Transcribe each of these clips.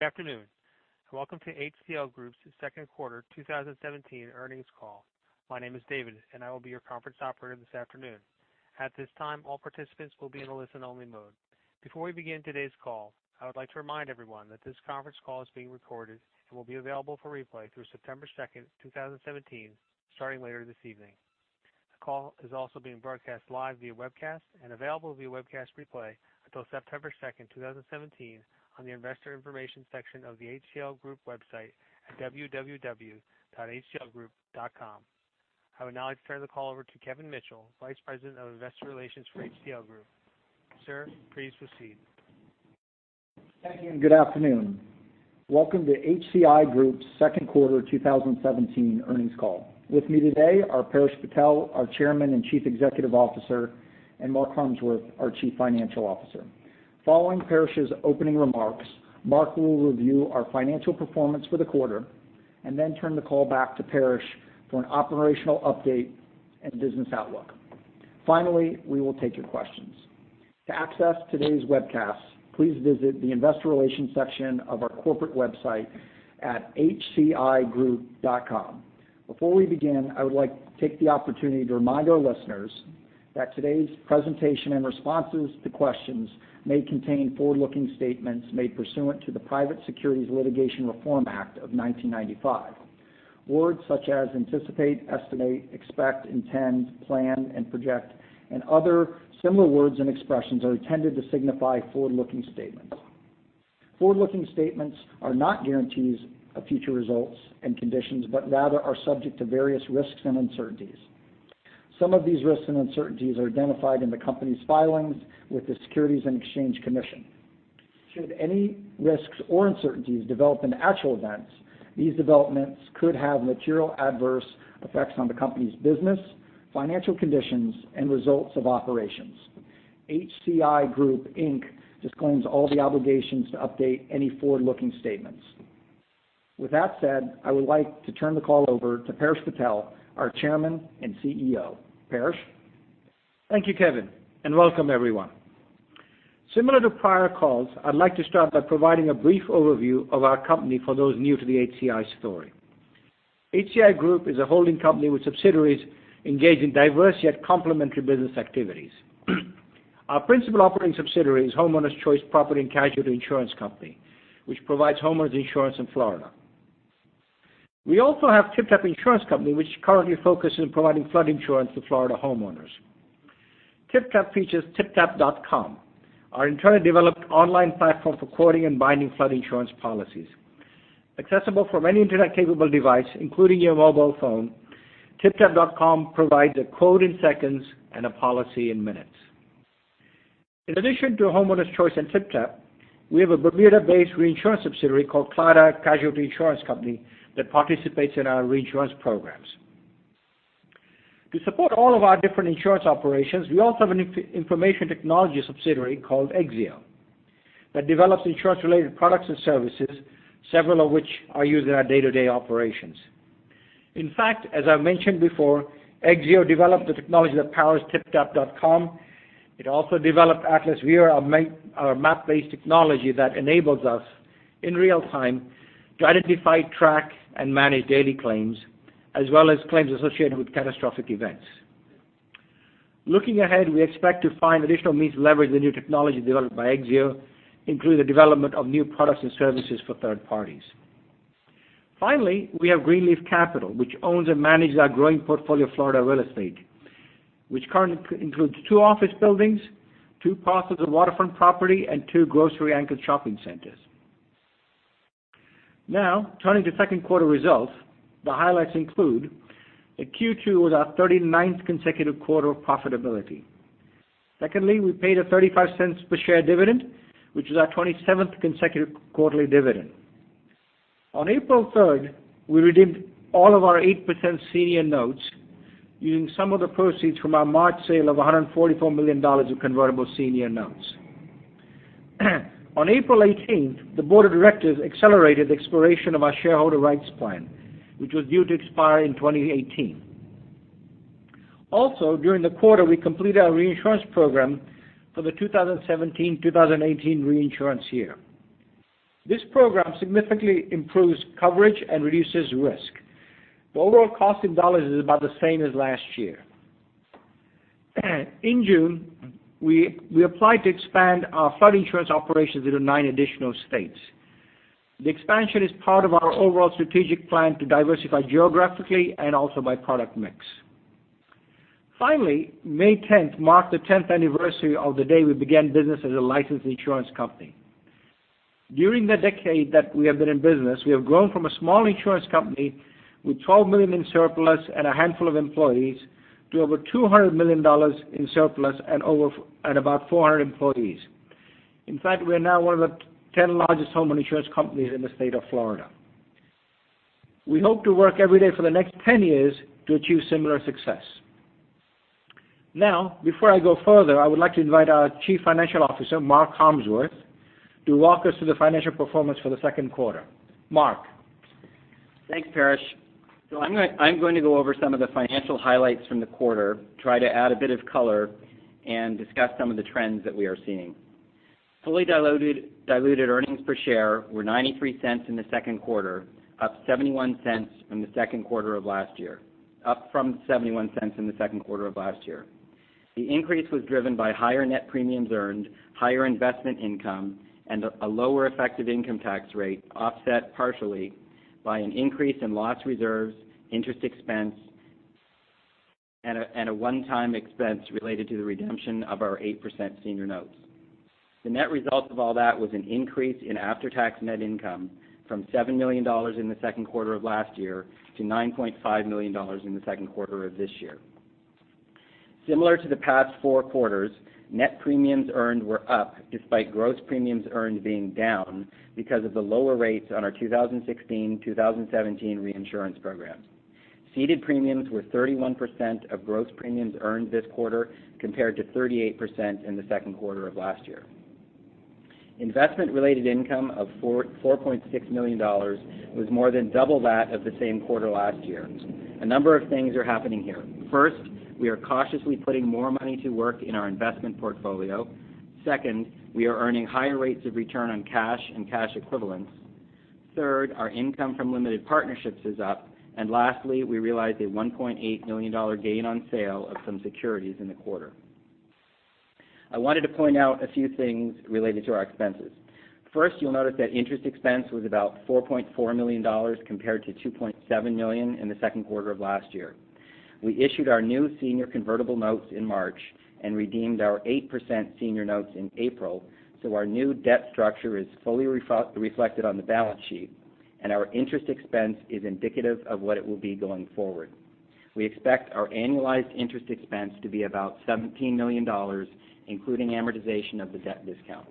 Good afternoon, and welcome to HCI Group's second quarter 2017 earnings call. My name is David, and I will be your conference operator this afternoon. At this time, all participants will be in a listen-only mode. Before we begin today's call, I would like to remind everyone that this conference call is being recorded and will be available for replay through September 2nd, 2017, starting later this evening. The call is also being broadcast live via webcast and available via webcast replay until September 2nd, 2017, on the Investor Information section of the HCI Group website at www.hcigroup.com. I would now like to turn the call over to Kevin Mitchell, Vice President of Investor Relations for HCI Group. Sir, please proceed. Thank you, and good afternoon. Welcome to HCI Group's second quarter 2017 earnings call. With me today are Paresh Patel, our Chairman and Chief Executive Officer, and Mark Harmsworth, our Chief Financial Officer. Following Paresh's opening remarks, Mark will review our financial performance for the quarter and then turn the call back to Paresh for an operational update and business outlook. Finally, we will take your questions. To access today's webcast, please visit the Investor Relations section of our corporate website at hcigroup.com. Before we begin, I would like to take the opportunity to remind our listeners that today's presentation and responses to questions may contain forward-looking statements made pursuant to the Private Securities Litigation Reform Act of 1995. Words such as anticipate, estimate, expect, intend, plan, and project, and other similar words and expressions are intended to signify forward-looking statements. Forward-looking statements are not guarantees of future results and conditions, but rather are subject to various risks and uncertainties. Some of these risks and uncertainties are identified in the company's filings with the Securities and Exchange Commission. Should any risks or uncertainties develop in actual events, these developments could have material adverse effects on the company's business, financial conditions, and results of operations. HCI Group, Inc. disclaims all the obligations to update any forward-looking statements. With that said, I would like to turn the call over to Paresh Patel, our Chairman and CEO. Paresh? Thank you, Kevin, and welcome everyone. Similar to prior calls, I'd like to start by providing a brief overview of our company for those new to the HCI story. HCI Group is a holding company with subsidiaries engaged in diverse yet complementary business activities. Our principal operating subsidiary is Homeowners Choice Property & Casualty Insurance Company, which provides homeowners insurance in Florida. We also have TypTap Insurance Company, which currently focuses on providing flood insurance to Florida homeowners. TypTap features typtap.com, our internet-developed online platform for quoting and binding flood insurance policies. Accessible from any internet-capable device, including your mobile phone, typtap.com provides a quote in seconds and a policy in minutes. In addition to Homeowners Choice and TypTap, we have a Bermuda-based reinsurance subsidiary called Claddaugh Casualty Insurance Company that participates in our reinsurance programs. To support all of our different insurance operations, we also have an information technology subsidiary called Exzeo that develops insurance-related products and services, several of which are used in our day-to-day operations. In fact, as I mentioned before, Exzeo developed the technology that powers typtap.com. It also developed Atlas Viewer, our map-based technology that enables us, in real time, to identify, track, and manage daily claims as well as claims associated with catastrophic events. Looking ahead, we expect to find additional means to leverage the new technology developed by Exzeo, including the development of new products and services for third parties. Finally, we have Greenleaf Capital, which owns and manages our growing portfolio of Florida real estate, which currently includes two office buildings, two parcels of waterfront property, and two grocery anchor shopping centers. Turning to second quarter results, the highlights include that Q2 was our 39th consecutive quarter of profitability. Secondly, we paid a $0.35 per share dividend, which is our 27th consecutive quarterly dividend. On April 3rd, we redeemed all of our 8% senior notes using some of the proceeds from our March sale of $144 million of convertible senior notes. On April 18th, the board of directors accelerated the expiration of our shareholder rights plan, which was due to expire in 2018. During the quarter, we completed our reinsurance program for the 2017-2018 reinsurance year. This program significantly improves coverage and reduces risk. The overall cost in dollars is about the same as last year. In June, we applied to expand our flood insurance operations into nine additional states. The expansion is part of our overall strategic plan to diversify geographically and also by product mix. May 10th marked the 10th anniversary of the day we began business as a licensed insurance company. During the decade that we have been in business, we have grown from a small insurance company with $12 million in surplus and a handful of employees to over $200 million in surplus and about 400 employees. In fact, we are now one of the 10 largest homeowner insurance companies in the state of Florida. We hope to work every day for the next 10 years to achieve similar success. Before I go further, I would like to invite our Chief Financial Officer, Mark Harmsworth, to walk us through the financial performance for the second quarter. Mark? Thanks, Paresh. I'm going to go over some of the financial highlights from the quarter, try to add a bit of color, and discuss some of the trends that we are seeing. Fully diluted earnings per share were $0.93 in the second quarter, up from $0.71 in the second quarter of last year. The increase was driven by higher net premiums earned, higher investment income, and a lower effective income tax rate, offset partially by an increase in loss reserves, interest expense, and a one-time expense related to the redemption of our 8% senior notes. The net result of all that was an increase in after-tax net income from $7 million in the second quarter of last year to $9.5 million in the second quarter of this year. Similar to the past four quarters, net premiums earned were up despite gross premiums earned being down because of the lower rates on our 2016-2017 reinsurance programs. Ceded premiums were 31% of gross premiums earned this quarter, compared to 38% in the second quarter of last year. Investment-related income of $4.6 million was more than double that of the same quarter last year. A number of things are happening here. First, we are cautiously putting more money to work in our investment portfolio. Second, we are earning higher rates of return on cash and cash equivalents. Third, our income from limited partnerships is up. Lastly, we realized a $1.8 million gain on sale of some securities in the quarter. I wanted to point out a few things related to our expenses. First, you'll notice that interest expense was about $4.4 million compared to $2.7 million in the second quarter of last year. We issued our new senior convertible notes in March and redeemed our 8% senior notes in April, so our new debt structure is fully reflected on the balance sheet, and our interest expense is indicative of what it will be going forward. We expect our annualized interest expense to be about $17 million, including amortization of the debt discount.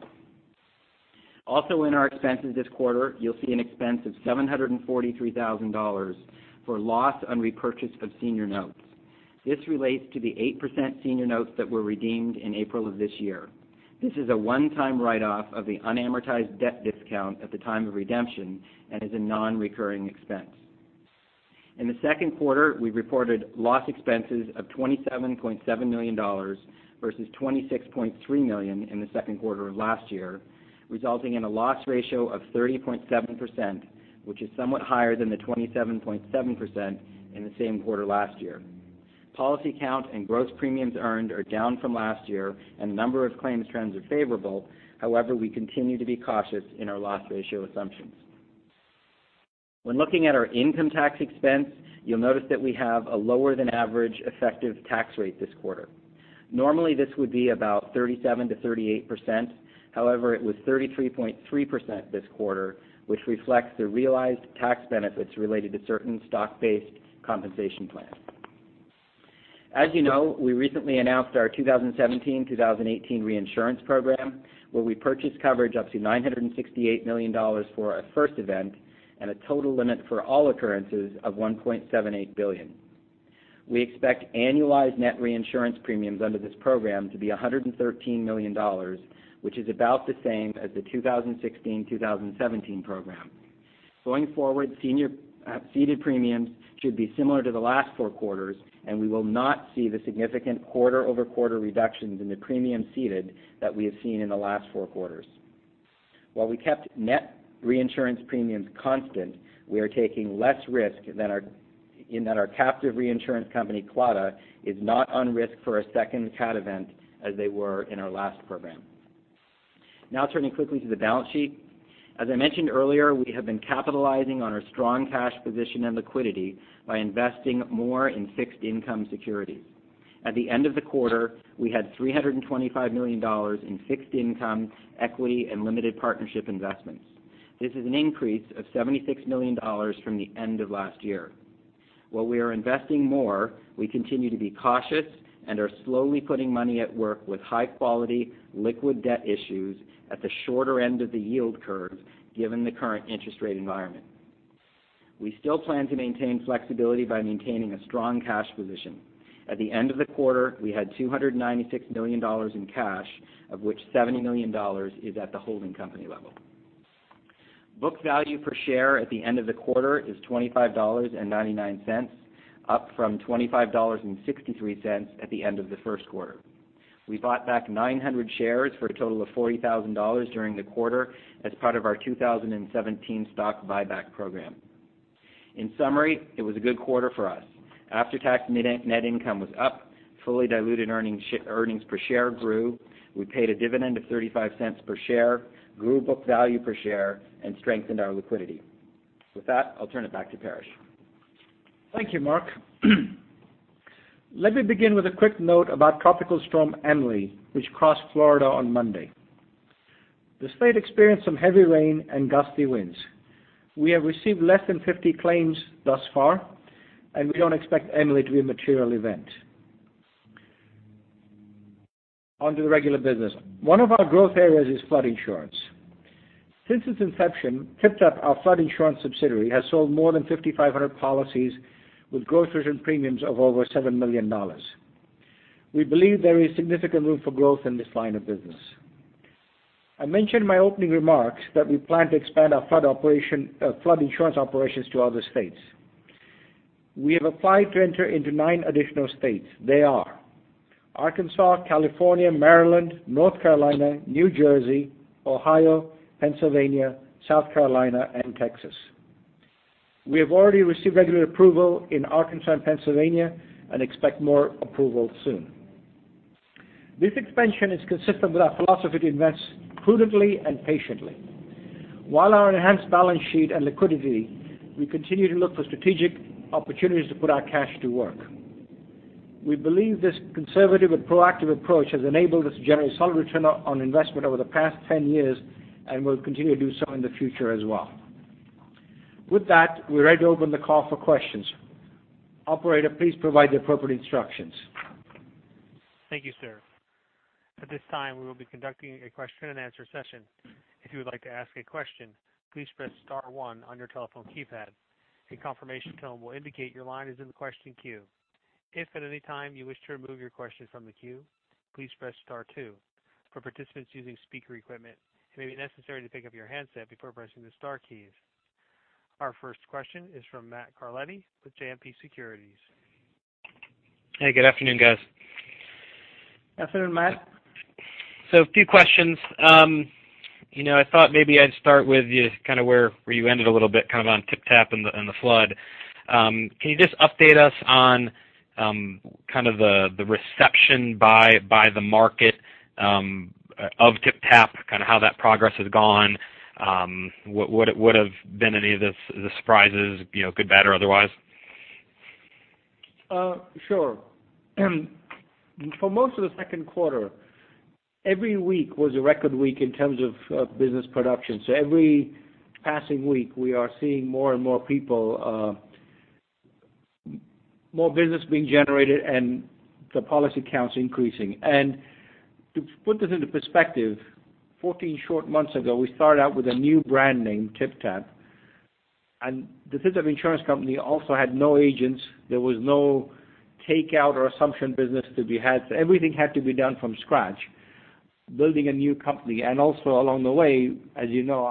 Also in our expenses this quarter, you'll see an expense of $743,000 for loss on repurchase of senior notes. This relates to the 8% senior notes that were redeemed in April of this year. This is a one-time write-off of the unamortized debt discount at the time of redemption and is a non-recurring expense. In the second quarter, we reported loss expenses of $27.7 million versus $26.3 million in the second quarter of last year, resulting in a loss ratio of 30.7%, which is somewhat higher than the 27.7% in the same quarter last year. Policy count and gross premiums earned are down from last year, and a number of claims trends are favorable. However, we continue to be cautious in our loss ratio assumptions. When looking at our income tax expense, you'll notice that we have a lower than average effective tax rate this quarter. Normally, this would be about 37% to 38%. However, it was 33.3% this quarter, which reflects the realized tax benefits related to certain stock-based compensation plans. As you know, we recently announced our 2017-2018 reinsurance program, where we purchased coverage up to $968 million for a first event and a total limit for all occurrences of $1.78 billion. We expect annualized net reinsurance premiums under this program to be $113 million, which is about the same as the 2016-2017 program. Going forward, ceded premiums should be similar to the last four quarters, and we will not see the significant quarter-over-quarter reductions in the premium ceded that we have seen in the last four quarters. While we kept net reinsurance premiums constant, we are taking less risk in that our captive reinsurance company, Clada, is not on risk for a second cat event as they were in our last program. Turning quickly to the balance sheet. As I mentioned earlier, we have been capitalizing on our strong cash position and liquidity by investing more in fixed income securities. At the end of the quarter, we had $325 million in fixed income, equity, and limited partnership investments. This is an increase of $76 million from the end of last year. While we are investing more, we continue to be cautious and are slowly putting money at work with high-quality liquid debt issues at the shorter end of the yield curve, given the current interest rate environment. We still plan to maintain flexibility by maintaining a strong cash position. At the end of the quarter, we had $296 million in cash, of which $70 million is at the holding company level. Book value per share at the end of the quarter is $25.99, up from $25.63 at the end of the first quarter. We bought back 900 shares for a total of $40,000 during the quarter as part of our 2017 stock buyback program. In summary, it was a good quarter for us. After-tax net income was up, fully diluted earnings per share grew, we paid a dividend of $0.35 per share, grew book value per share, and strengthened our liquidity. With that, I'll turn it back to Paresh. Thank you, Mark. Let me begin with a quick note about Tropical Storm Emily, which crossed Florida on Monday. The state experienced some heavy rain and gusty winds. We have received less than 50 claims thus far, and we don't expect Emily to be a material event. On to the regular business. One of our growth areas is flood insurance. Since its inception, TypTap, our flood insurance subsidiary, has sold more than 5,500 policies with gross written premiums of over $7 million. We believe there is significant room for growth in this line of business. I mentioned in my opening remarks that we plan to expand our flood insurance operations to other states. We have applied to enter into nine additional states. They are: Arkansas, California, Maryland, North Carolina, New Jersey, Ohio, Pennsylvania, South Carolina, and Texas. We have already received regulatory approval in Arkansas and Pennsylvania, and expect more approvals soon. This expansion is consistent with our philosophy to invest prudently and patiently. While our enhanced balance sheet and liquidity, we continue to look for strategic opportunities to put our cash to work. We believe this conservative but proactive approach has enabled us to generate solid return on investment over the past 10 years, and will continue to do so in the future as well. With that, we're ready to open the call for questions. Operator, please provide the appropriate instructions. Thank you, sir. At this time, we will be conducting a question and answer session. If you would like to ask a question, please press star one on your telephone keypad. A confirmation tone will indicate your line is in the question queue. If at any time you wish to remove your question from the queue, please press star two. For participants using speaker equipment, it may be necessary to pick up your handset before pressing the star keys. Our first question is from Matt Carletti with JMP Securities. Hey, good afternoon, guys. Afternoon, Matt. A few questions. I thought maybe I'd start with you kind of where you ended a little bit, kind of on TypTap and the flood. Can you just update us on kind of the reception by the market of TypTap, kind of how that progress has gone? What have been any of the surprises, good, bad, or otherwise? Sure. For most of the second quarter, every week was a record week in terms of business production. Every passing week, we are seeing more and more people, more business being generated, and the policy counts increasing. To put this into perspective, 14 short months ago, we started out with a new brand name, TypTap, and the fifth insurance company also had no agents. There was no takeout or assumption business to be had, so everything had to be done from scratch, building a new company. Also along the way, as you know,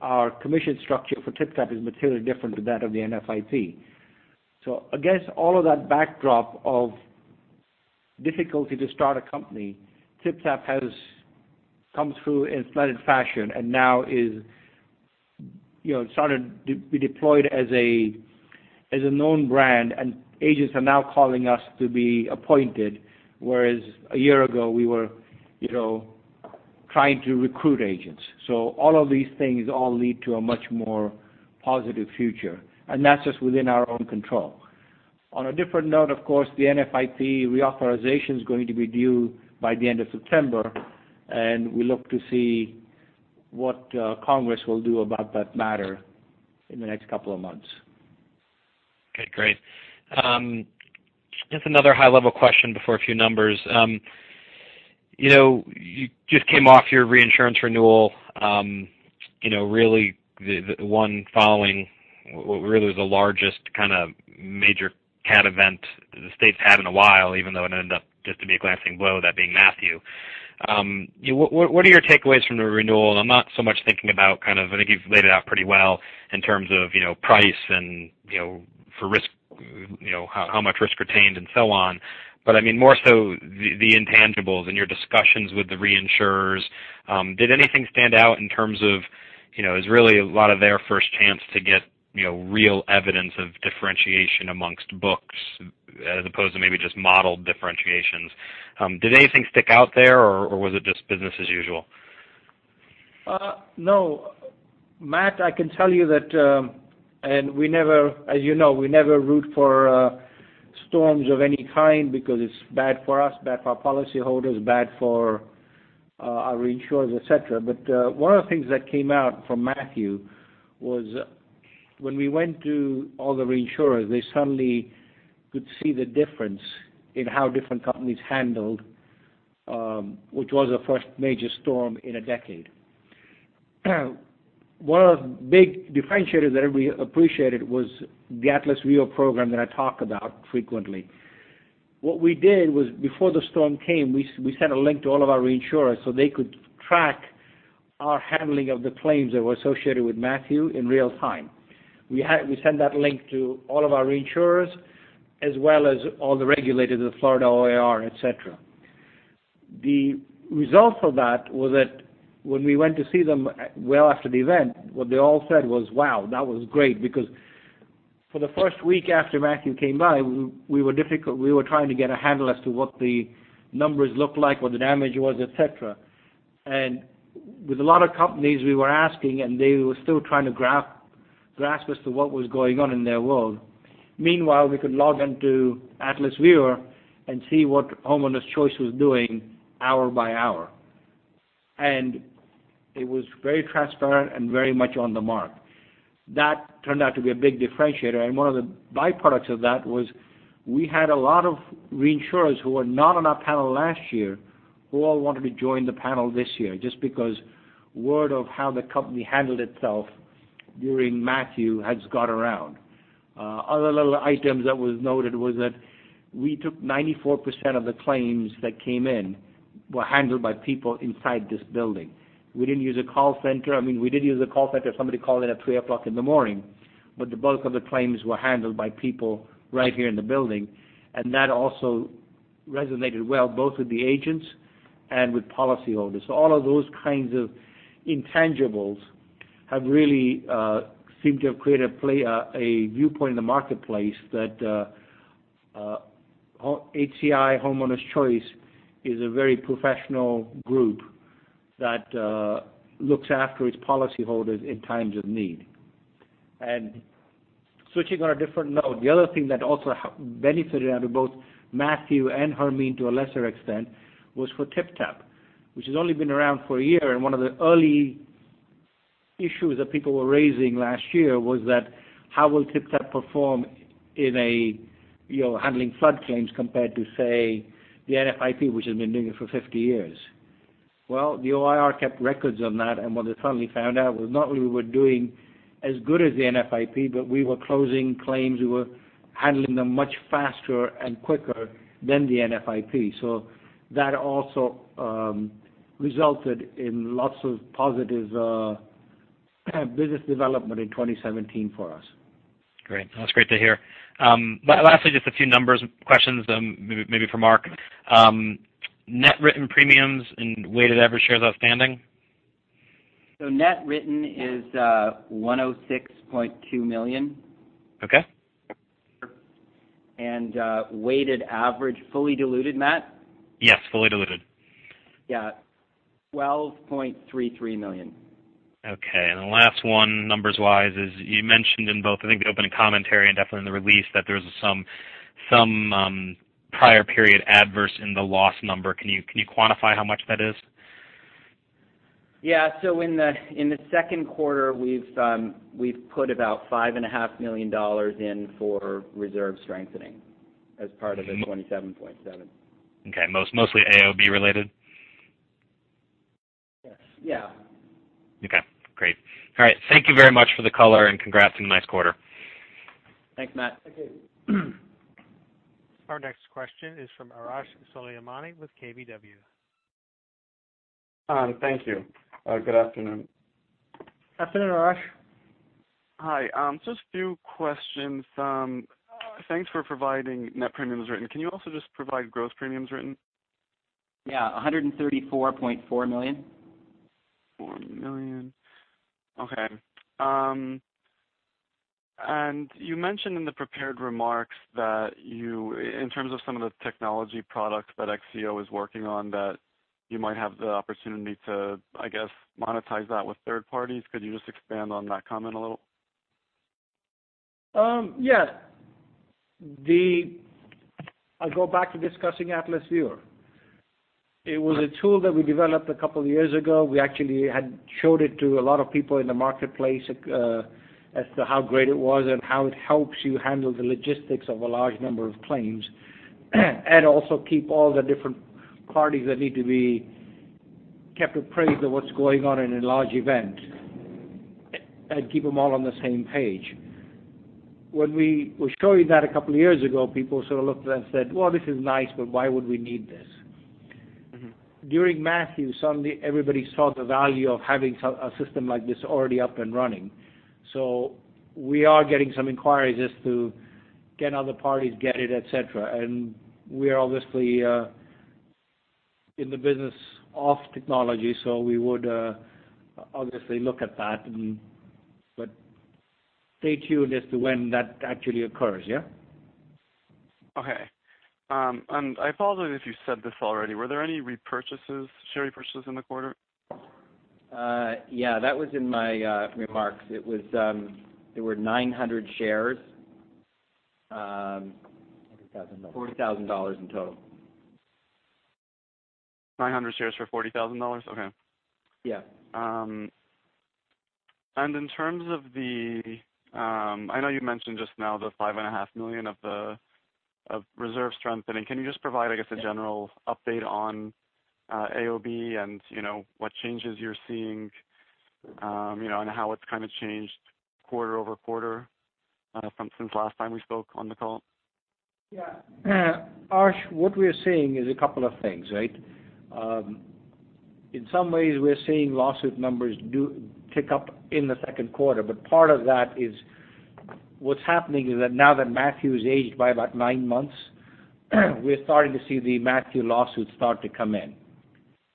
our commission structure for TypTap is materially different to that of the NFIP. Against all of that backdrop of difficulty to start a company, TypTap has come through in flooded fashion and now is started to be deployed as a known brand, and agents are now calling us to be appointed, whereas a year ago, we were trying to recruit agents. All of these things all lead to a much more positive future, and that's just within our own control. On a different note, of course, the NFIP reauthorization is going to be due by the end of September, and we look to see what Congress will do about that matter in the next couple of months. Okay, great. Just another high-level question before a few numbers. You just came off your reinsurance renewal, really the one following what really was the largest major cat event the state's had in a while, even though it ended up just to be a glancing blow, that being Matthew. What are your takeaways from the renewal? I'm not so much thinking about, I think you've laid it out pretty well in terms of price and how much risk retained and so on, more so the intangibles in your discussions with the reinsurers. Did anything stand out in terms of, is really a lot of their first chance to get real evidence of differentiation amongst books as opposed to maybe just modeled differentiations? Did anything stick out there, or was it just business as usual? No. Matt, I can tell you that, as you know, we never root for storms of any kind because it's bad for us, bad for our policyholders, bad for our reinsurers, et cetera. One of the things that came out from Matthew was when we went to all the reinsurers, they suddenly could see the difference in how different companies handled, which was the first major storm in a decade. One of the big differentiators that everybody appreciated was the Atlas Viewer program that I talk about frequently. What we did was before the storm came, we sent a link to all of our reinsurers so they could track our handling of the claims that were associated with Matthew in real time. We sent that link to all of our reinsurers, as well as all the regulators of the Florida OIR, et cetera. The result of that was that when we went to see them well after the event, what they all said was, "Wow, that was great," because for the first week after Matthew came by, we were trying to get a handle as to what the numbers looked like, what the damage was, et cetera. With a lot of companies, we were asking, and they were still trying to grasp as to what was going on in their world. Meanwhile, we could log into Atlas Viewer and see what Homeowners Choice was doing hour by hour. It was very transparent and very much on the mark. That turned out to be a big differentiator, and one of the byproducts of that was we had a lot of reinsurers who were not on our panel last year, who all wanted to join the panel this year, just because word of how the company handled itself During Matthew has got around. Other little items that was noted was that we took 94% of the claims that came in, were handled by people inside this building. We didn't use a call center. We did use a call center if somebody called in at 3:00 in the morning, but the bulk of the claims were handled by people right here in the building, and that also resonated well, both with the agents and with policyholders. All of those kinds of intangibles have really seemed to have created a viewpoint in the marketplace that, HCI, Homeowners Choice, is a very professional group that looks after its policyholders in times of need. Switching on a different note, the other thing that also benefited out of both Matthew and Hermine, to a lesser extent, was for TypTap, which has only been around for a year, and one of the early issues that people were raising last year was that how will TypTap perform in handling flood claims compared to, say, the NFIP, which has been doing it for 50 years. Well, the OIR kept records on that, and what they finally found out was not only we're doing as good as the NFIP, but we were closing claims. We were handling them much faster and quicker than the NFIP. That also resulted in lots of positive business development in 2017 for us. Great. That's great to hear. Lastly, just a few numbers, questions, maybe for Mark. Net written is $106.2 million. Okay. Weighted average, fully diluted, Matt? Yes, fully diluted. Yeah, $12.33 million. Okay. The last one, numbers-wise, is you mentioned in both, I think the opening commentary and definitely in the release, that there's some prior period adverse in the loss number. Can you quantify how much that is? Yeah. In the second quarter we've put about $5.5 million in for reserve strengthening as part of the 27.7. Okay, mostly AOB related? Yes. Yeah. Okay, great. All right. Thank you very much for the color and congrats on a nice quarter. Thanks, Matt. Thank you. Our next question is from Arash Soleimani with KBW. Thank you. Good afternoon. Afternoon, Arash. Hi, just few questions. Thanks for providing net premiums written. Can you also just provide gross premiums written? Yeah, $134.4 million. $4 million. Okay. You mentioned in the prepared remarks that you, in terms of some of the technology products that Exzeo is working on, that you might have the opportunity to, I guess, monetize that with third parties. Could you just expand on that comment a little? Yes. I'll go back to discussing Atlas Viewer. It was a tool that we developed a couple of years ago. We actually had showed it to a lot of people in the marketplace as to how great it was and how it helps you handle the logistics of a large number of claims, and also keep all the different parties that need to be kept appraised of what's going on in a large event, and keep them all on the same page. When we were showing that a couple of years ago, people sort of looked at it and said, "Well, this is nice, but why would we need this? During Matthew, suddenly everybody saw the value of having a system like this already up and running. We are getting some inquiries as to can other parties get it, et cetera. We are obviously in the business of technology, so we would obviously look at that, but stay tuned as to when that actually occurs, yeah? Okay. I apologize if you said this already. Were there any repurchases, share repurchases in the quarter? Yeah. That was in my remarks. There were 900 shares. $40,000. $40,000 in total. 900 shares for $40,000? Okay. Yeah. In terms of the, I know you mentioned just now the $5.5 million of reserve strengthening. Can you just provide, I guess, a general update on AOB and what changes you're seeing, and how it's kind of changed quarter-over-quarter from since last time we spoke on the call? Arash, what we're seeing is a couple of things, right? In some ways, we're seeing lawsuit numbers do tick up in the second quarter, but part of that is what's happening is that now that Matthew has aged by about nine months, we're starting to see the Matthew lawsuits start to come in.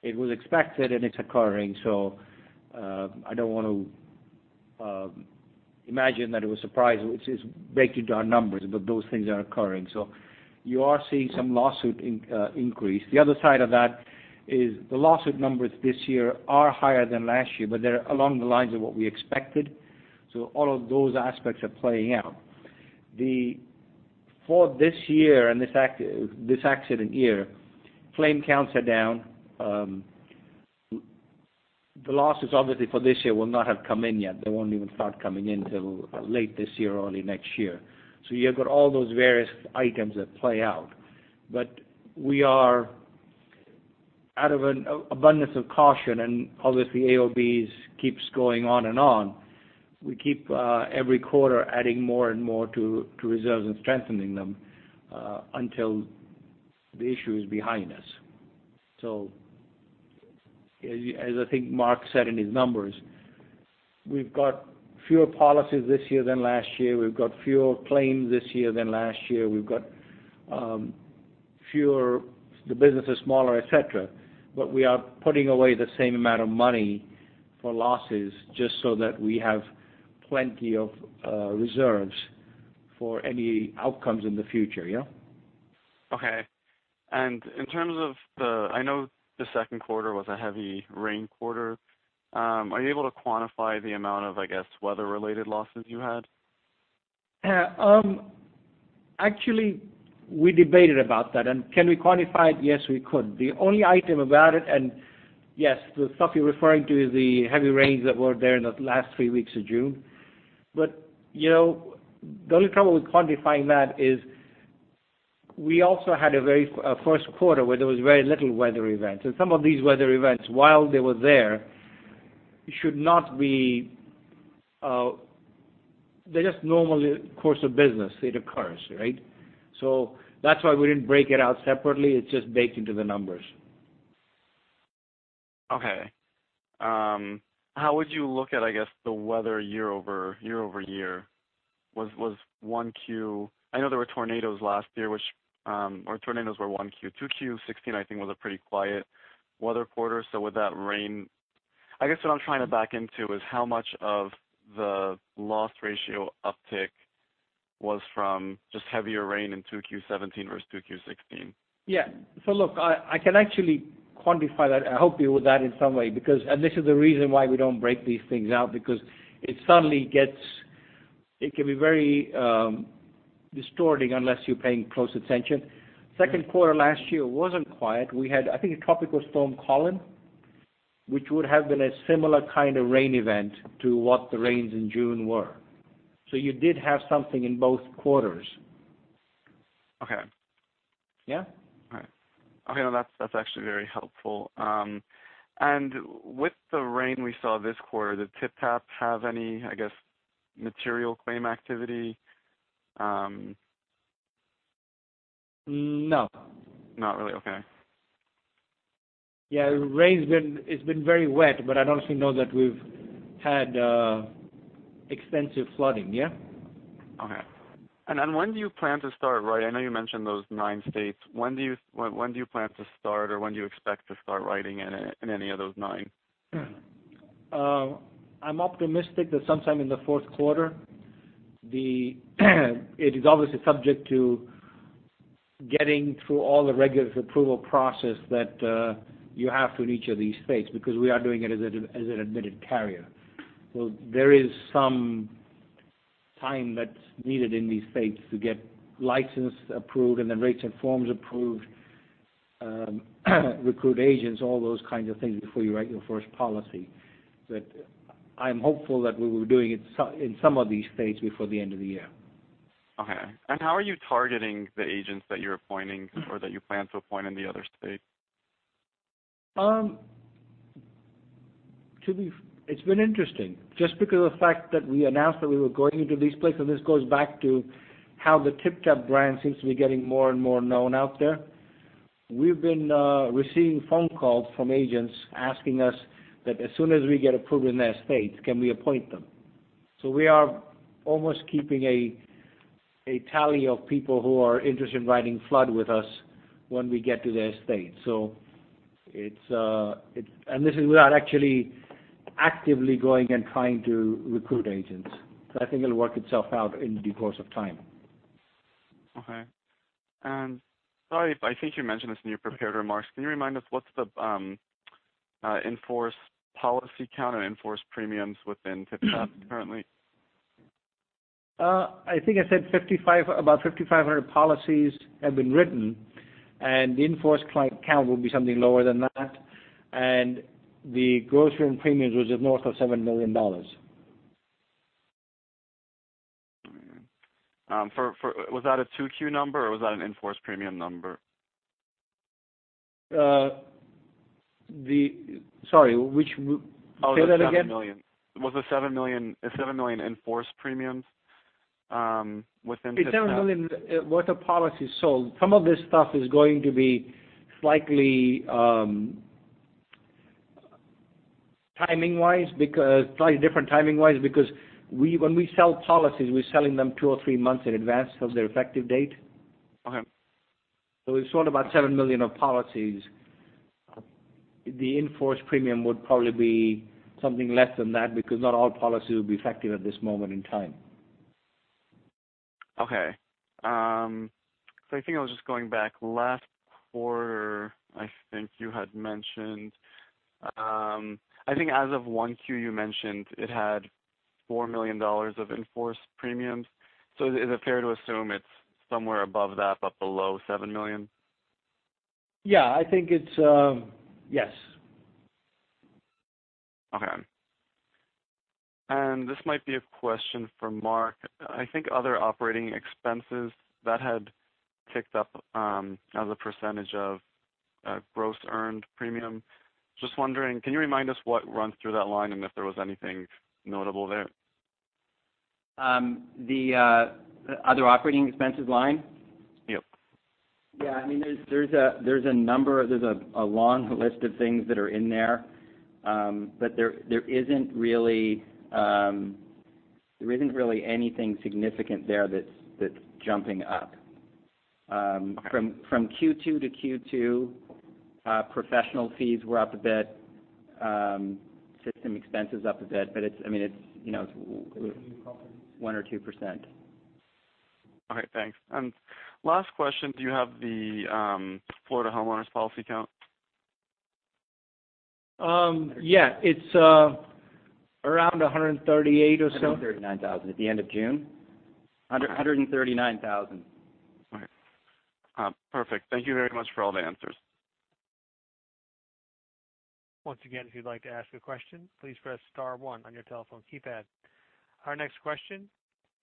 It was expected and it's occurring. I don't want to imagine that it was a surprise, which is breaking down numbers, but those things are occurring. You are seeing some lawsuit increase. The other side of that is the lawsuit numbers this year are higher than last year, but they're along the lines of what we expected. All of those aspects are playing out. For this year and this accident year, claim counts are down. The lawsuits obviously for this year will not have come in yet. They won't even start coming in till late this year or early next year. You've got all those various items that play out. We are out of an abundance of caution, and obviously AOBs keeps going on and on. We keep every quarter adding more and more to reserves and strengthening them until the issue is behind us. As I think Mark said in his numbers, we've got fewer policies this year than last year. We've got fewer claims this year than last year. The business is smaller, et cetera, but we are putting away the same amount of money for losses just so that we have plenty of reserves for any outcomes in the future. Yeah? Okay. I know the second quarter was a heavy rain quarter. Are you able to quantify the amount of, I guess, weather-related losses you had? Actually, we debated about that. Can we quantify it? Yes, we could. The only item about it, and yes, the stuff you're referring to is the heavy rains that were there in the last three weeks of June. The only trouble with quantifying that is we also had a first quarter where there was very little weather events. Some of these weather events, while they were there, they're just normal course of business. It occurs, right? That's why we didn't break it out separately. It's just baked into the numbers. Okay. How would you look at, I guess, the weather year-over-year? I know there were tornadoes last year, or tornadoes were 1Q. 2Q 2016, I think, was a pretty quiet weather quarter. I guess what I'm trying to back into is how much of the loss ratio uptick was from just heavier rain in 2Q 2017 versus 2Q 2016? Yeah. Look, I can actually quantify that. I'll help you with that in some way, and this is the reason why we don't break these things out, because it can be very distorting unless you're paying close attention. Second quarter last year wasn't quiet. We had, I think, Tropical Storm Colin, which would have been a similar kind of rain event to what the rains in June were. You did have something in both quarters. Okay. Yeah? All right. Okay, no, that's actually very helpful. With the rain we saw this quarter, did TypTap have any, I guess, material claim activity? No. Not really, okay. Yeah, it's been very wet, but I don't actually know that we've had extensive flooding, yeah? Okay. When do you plan to start writing? I know you mentioned those nine states. When do you plan to start, or when do you expect to start writing in any of those nine? I'm optimistic that sometime in the fourth quarter. It is obviously subject to getting through all the regulatory approval process that you have to in each of these states, because we are doing it as an admitted carrier. There is some time that's needed in these states to get licensed, approved, and then rates and forms approved, recruit agents, all those kinds of things before you write your first policy. I'm hopeful that we will be doing it in some of these states before the end of the year. Okay. How are you targeting the agents that you're appointing or that you plan to appoint in the other states? It's been interesting. Just because of the fact that we announced that we were going into these places, this goes back to how the TypTap brand seems to be getting more and more known out there. We've been receiving phone calls from agents asking us that as soon as we get approved in their state, can we appoint them? We are almost keeping a tally of people who are interested in writing flood with us when we get to their state. This is without actually actively going and trying to recruit agents. I think it'll work itself out in due course of time. Okay. Sorry, I think you mentioned this in your prepared remarks. Can you remind us what's the in-force policy count or in-force premiums within TypTap currently? I think I said about 5,500 policies have been written, the in-force count will be something lower than that. The gross written premiums was just north of $7 million. All right. Was that a 2Q number, or was that an in-force premium number? Sorry, say that again? Was the seven million in-force premiums within TypTap? It's seven million worth of policies sold. Some of this stuff is going to be slightly different timing-wise, because when we sell policies, we're selling them two or three months in advance of their effective date. Okay. We've sold about $7 million of policies. The in-force premium would probably be something less than that because not all policies will be effective at this moment in time. Okay. I think I was just going back. Last quarter, I think as of 1Q, you mentioned it had $4 million of in-force premiums. Is it fair to assume it's somewhere above that, but below $7 million? Yeah, Yes. This might be a question for Mark. I think other operating expenses that had ticked up as a percentage of gross earned premium. Just wondering, can you remind us what runs through that line and if there was anything notable there? The other operating expenses line? Yep. Yeah. There's a long list of things that are in there. There isn't really anything significant there that's jumping up. From Q2 to Q2, professional fees were up a bit, system expenses up a bit, but it's- It's a new company one or two percent. All right, thanks. Last question, do you have the Florida homeowners policy count? Yeah. It's around 138 or so. 139,000 at the end of June. 139,000. All right. Perfect. Thank you very much for all the answers. Once again, if you'd like to ask a question, please press star one on your telephone keypad. Our next question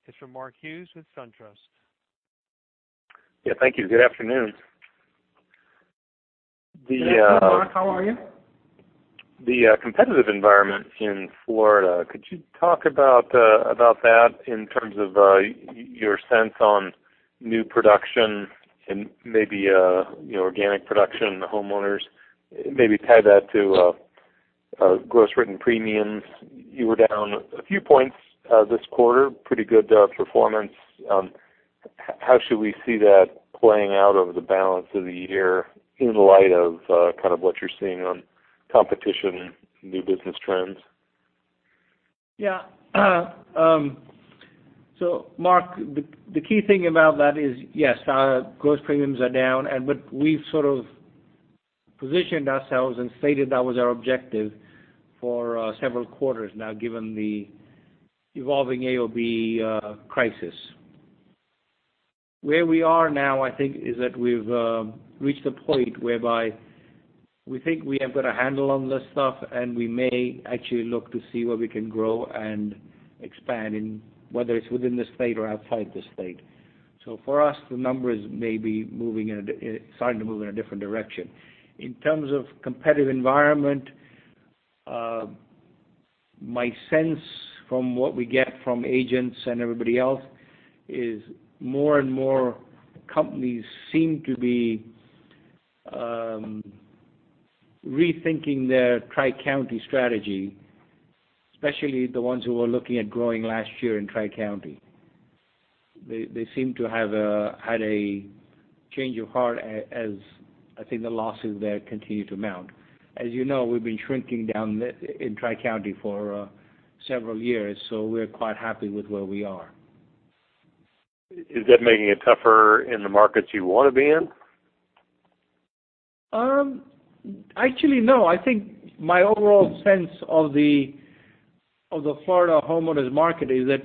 is from Mark Hughes with SunTrust. Yeah, thank you. Good afternoon. Good afternoon, Mark. How are you? The competitive environment in Florida, could you talk about that in terms of your sense on new production and maybe organic production in the homeowners? Maybe tie that to gross written premiums. You were down a few points this quarter, pretty good performance. How should we see that playing out over the balance of the year in light of what you're seeing on competition, new business trends? Mark, the key thing about that is, yes, our gross premiums are down, but we've positioned ourselves and stated that was our objective for several quarters now, given the evolving AOB crisis. Where we are now, I think, is that we've reached a point whereby we think we have got a handle on this stuff, and we may actually look to see where we can grow and expand, whether it's within the state or outside the state. For us, the numbers may be starting to move in a different direction. In terms of competitive environment, my sense from what we get from agents and everybody else is more and more companies seem to be rethinking their Tri-County strategy, especially the ones who were looking at growing last year in Tri-County. They seem to have had a change of heart as, I think, the losses there continue to mount. You know, we've been shrinking down in Tri-County for several years, we're quite happy with where we are. Is that making it tougher in the markets you want to be in? Actually, no. I think my overall sense of the Florida homeowners market is that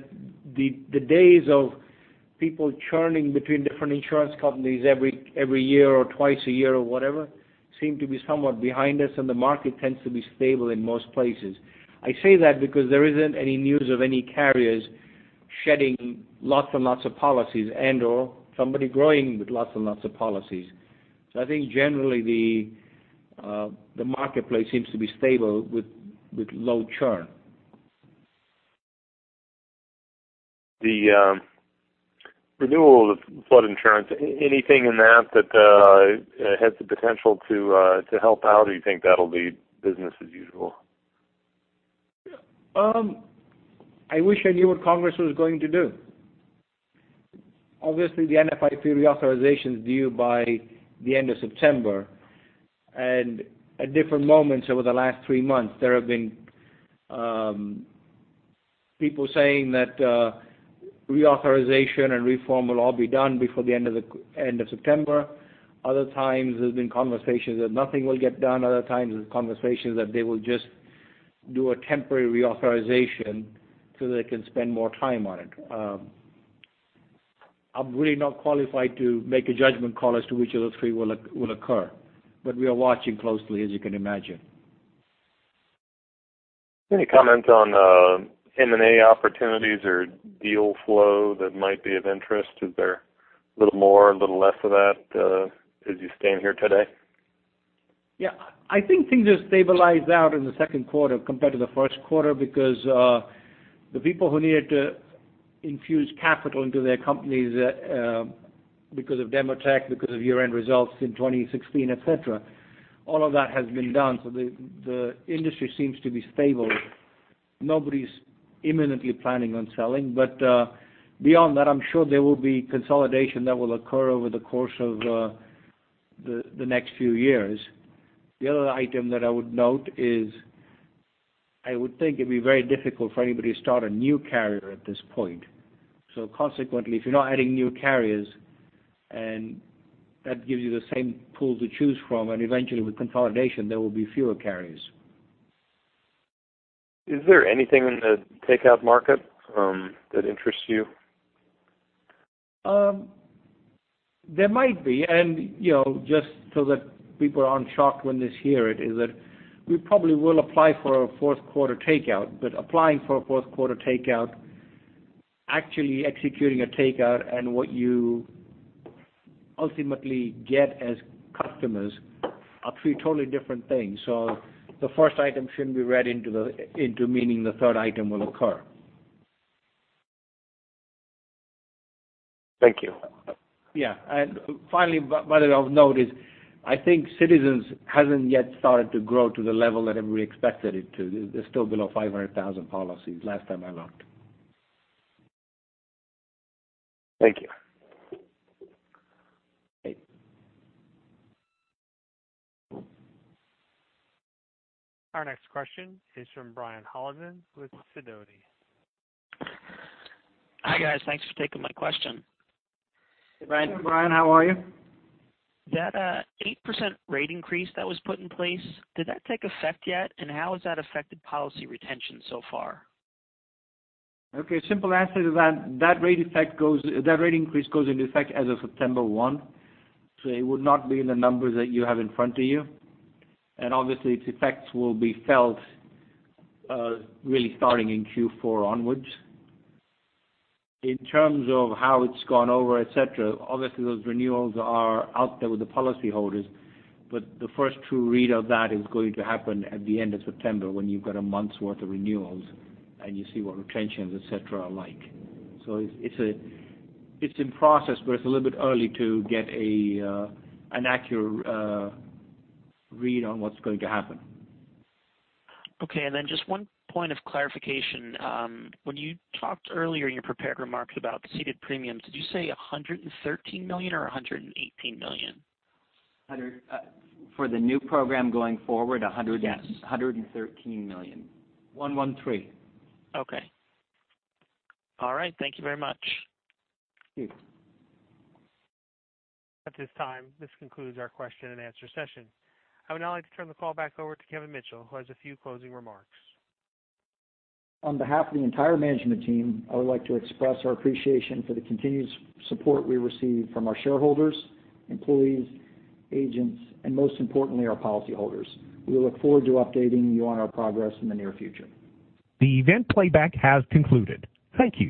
the days of people churning between different insurance companies every year or twice a year or whatever seem to be somewhat behind us, the market tends to be stable in most places. I say that because there isn't any news of any carriers shedding lots and lots of policies and/or somebody growing with lots and lots of policies. I think generally the marketplace seems to be stable with low churn. The renewal of flood insurance, anything in that has the potential to help out, or you think that'll be business as usual? I wish I knew what Congress was going to do. Obviously, the NFIP reauthorization is due by the end of September, and at different moments over the last three months, there have been people saying that reauthorization and reform will all be done before the end of September. Other times, there's been conversations that nothing will get done. Other times, there's conversations that they will just do a temporary reauthorization so they can spend more time on it. I'm really not qualified to make a judgment call as to which of those three will occur. We are watching closely, as you can imagine. Any comments on M&A opportunities or deal flow that might be of interest? Is there a little more, a little less of that as you stand here today? Yeah. I think things have stabilized out in the second quarter compared to the first quarter because the people who needed to infuse capital into their companies because of Demotech, because of year-end results in 2016, et cetera, all of that has been done. The industry seems to be stable. Nobody's imminently planning on selling. Beyond that, I'm sure there will be consolidation that will occur over the course of the next few years. The other item that I would note is I would think it'd be very difficult for anybody to start a new carrier at this point. Consequently, if you're not adding new carriers, and that gives you the same pool to choose from, and eventually with consolidation, there will be fewer carriers. Is there anything in the takeout market that interests you? There might be. Just so that people aren't shocked when they hear it, is that we probably will apply for a fourth quarter takeout. Applying for a fourth quarter takeout, actually executing a takeout, and what you ultimately get as customers are three totally different things. The first item shouldn't be read into meaning the third item will occur. Thank you. Yeah. Finally, by way of note is, I think Citizens hasn't yet started to grow to the level that everybody expected it to. They're still below 500,000 policies last time I looked. Thank you. Great. Our next question is from Brian Hollenden with Sidoti. Hi, guys. Thanks for taking my question. Hey, Brian. Brian, how are you? That 8% rate increase that was put in place, did that take effect yet? How has that affected policy retention so far? Okay. Simple answer to that rate increase goes into effect as of September 1. It would not be in the numbers that you have in front of you. Obviously, its effects will be felt really starting in Q4 onwards. In terms of how it's gone over, et cetera, obviously those renewals are out there with the policy holders, but the first true read of that is going to happen at the end of September when you've got a month's worth of renewals and you see what retentions, et cetera, are like. It's in process, but it's a little bit early to get an accurate read on what's going to happen. Okay, just one point of clarification. When you talked earlier in your prepared remarks about the ceded premiums, did you say $113 million or $118 million? For the new program going forward, $113 million. 113. Okay. All right. Thank you very much. Thank you. At this time, this concludes our question and answer session. I would now like to turn the call back over to Kevin Mitchell, who has a few closing remarks. On behalf of the entire management team, I would like to express our appreciation for the continued support we receive from our shareholders, employees, agents, and most importantly, our policy holders. We look forward to updating you on our progress in the near future. The event playback has concluded. Thank you.